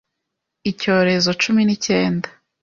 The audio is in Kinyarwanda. Icyorezo cumi n,icyende